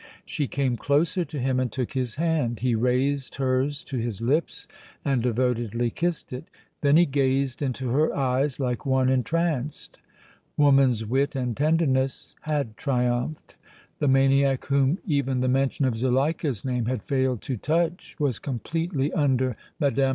She came closer to him and took his hand. He raised hers to his lips and devotedly kissed it. Then he gazed into her eyes like one entranced. Woman's wit and tenderness had triumphed. The maniac whom even the mention of Zuleika's name had failed to touch was completely under Mme.